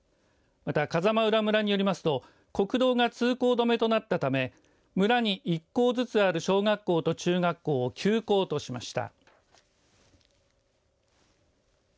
また風間浦村によりますと国道が通行止めとなったため村に１校ずつある小学校と中学校を休校としました。